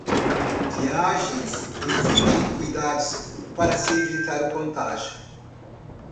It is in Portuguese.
Viagens exigem cuidados para se evitar o contágio